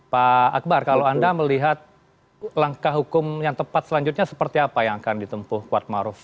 pak akbar kalau anda melihat langkah hukum yang tepat selanjutnya seperti apa yang akan ditempuh kuat maruf